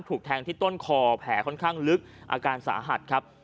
ถูกแทงที่ต้นคอแผลค่อนข้างลึกอาการสาหัสครับ